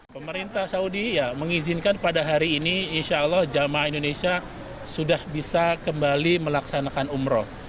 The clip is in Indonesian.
pemerintah saudi mengizinkan pada hari ini insya allah jemaah indonesia sudah bisa kembali melaksanakan umroh